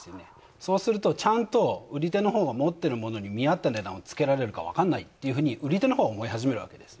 そうするとちゃんと売り手のほうは持っているものに見合った値段をつけられるか分かんないっていうふうに売り手のほうは思い始めるわけです。